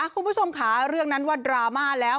คุณผู้ชมค่ะเรื่องนั้นว่าดราม่าแล้ว